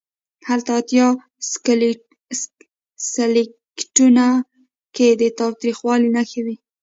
هلته اتیا سلکیټونو کې د تاوتریخوالي نښې وې.